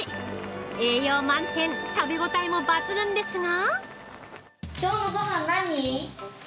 栄養満点食べ応えも抜群ですが。